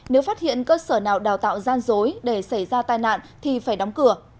nếu phát hiện cơ sở nào đào tạo gian dối để xảy ra tai nạn thì phải đóng cửa